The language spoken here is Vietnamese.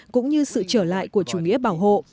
cũng như sự trở lại của chủ nghĩa bảo hộ